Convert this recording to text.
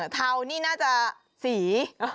เทานี่น่าจะสี